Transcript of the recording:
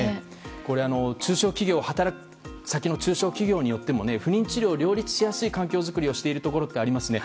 これ、働き先の中小企業によっても不妊治療を両立しやすい環境づくりをしているところもありますね。